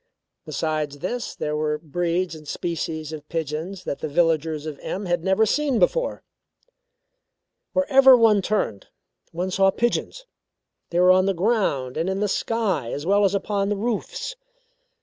Besides this, there were breeds and species of pigeons that the villagers of M had never seen before. Wherever one turned, one saw pigeons. They were on the ground and in the sky, as well as upon the roofs.